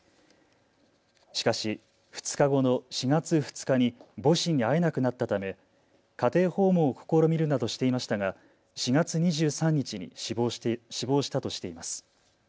しかし２日後の４月２日に母子に会えなくなったため家庭訪問を試みるなどしていましたが４月２３日に死亡したとしています。